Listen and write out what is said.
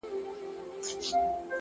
زړه په پیوند دی؛